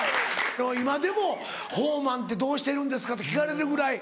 今でも「宝満ってどうしてるんですか？」って聞かれるぐらい。